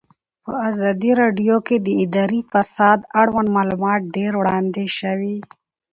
په ازادي راډیو کې د اداري فساد اړوند معلومات ډېر وړاندې شوي.